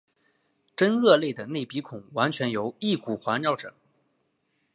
真鳄类的内鼻孔完全由翼骨环绕者。